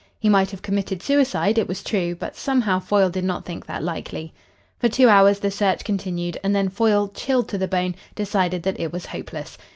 He might have committed suicide, it was true, but somehow Foyle did not think that likely. For two hours the search continued, and then Foyle, chilled to the bone, decided that it was hopeless.